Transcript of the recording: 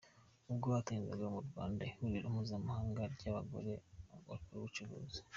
Ubwo hatangizwaga mu Rwanda ihuriro mpuzamahanga ry’abagore bakora ubucuruzi.